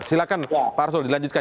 silakan pak arsul dilanjutkan